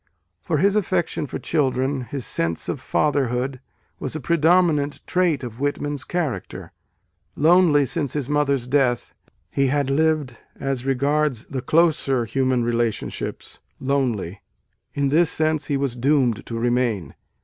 For his affection for children, his sense of fatherhood, was a predominant trait of Whitman s character. Lonely, since his mother s death, he had lived as regards the closer human relationships : lonely, in this sense, he was doomed to remain.